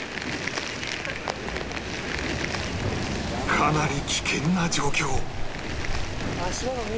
かなり危険な状況